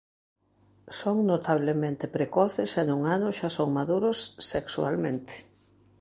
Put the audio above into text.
Son notablemente precoces e nun ano xa son maduros sexualmente.